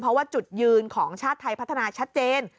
เพราะว่าจุดยืนของชาติไทยพัฒนาชัดเจน